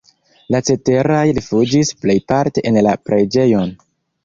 La ceteraj rifuĝis plejparte en la preĝejon.